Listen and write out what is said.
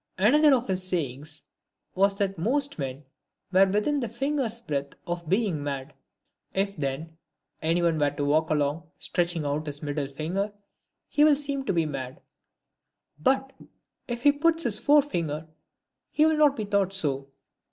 Another of his sayings, was that most men were within a finger's breadth of being mad. If, then, any one were to walk along, stretching out his middle finger, he will seem to be mad ; but if he puts out his fore finger, he will not be thought so.